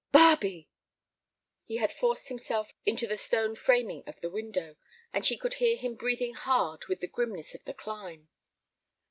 "Barbe!" He had forced himself into the stone framing of the window, and she could hear him breathing hard with the grimness of the climb.